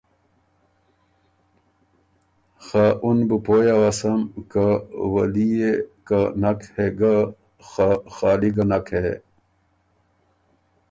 خه اُن بُو پویٛ اؤسم که ”ولي يې که نک هې ګۀ، خه خالی ګۀ نک هې“